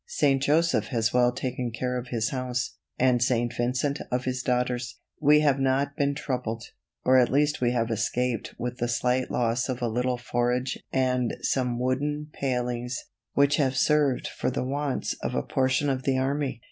St. Joseph has well taken care of his house, and St. Vincent of his daughters; we have not been troubled, or at least we have escaped with the slight loss of a little forage and some wooden palings, which have served for the wants of a portion of the army.